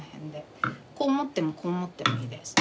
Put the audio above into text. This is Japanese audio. こう持ってもこう持ってもいいです。